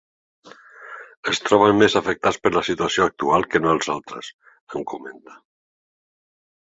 “Es troben més afectats per la situació actual que no els altres”, em comenta.